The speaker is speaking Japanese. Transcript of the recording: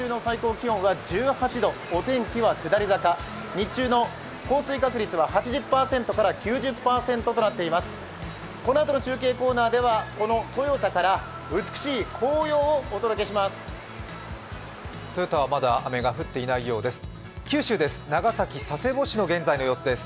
このあとの中継コーナーではこの豊田から美しい紅葉をお届けします。